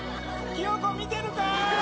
きよ子見てるか？